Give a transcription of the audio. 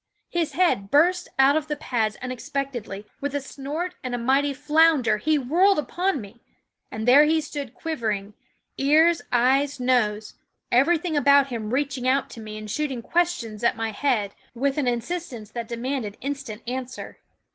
His head burst out of the pads unexpectedly ; with a snort and a mighty flounder he whirled upon me ; and there he stood quivering, ears, eyes, nose everything about him reaching out to me and shooting questions at my head with an insistence that demanded instant answer.